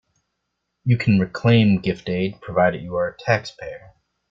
You can reclaim gift aid provided you are a taxpayer.